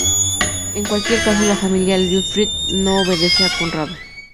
En cualquier caso, la familia de Liutfrid no obedece a Conrado.